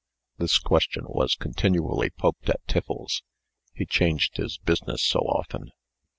This question was continually poked at Tiffles. He changed his business so often.